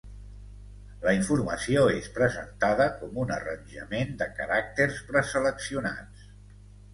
La informació és presentada com un arranjament de caràcters preseleccionats.